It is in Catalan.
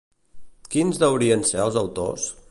Quins deurien ser els autors?